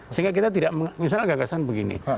sehingga kita tidak misalnya gagasan begini